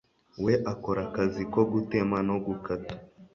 we akora akazi ko gutema no gukata